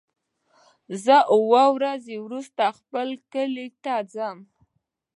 زه اووه ورځې وروسته خپل کلی ته ځم.